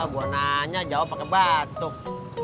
gue nanya jawab pakai batuk